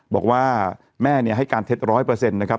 บอกว่าแม่ให้การเท็จร้อยเปอร์เซ็นต์นะครับ